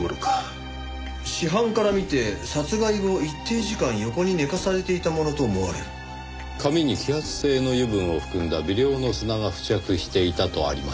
「死斑から見て殺害後一定時間横に寝かされていたものと思われる」「髪に揮発性の油分を含んだ微量の砂が付着していた」とありますねぇ。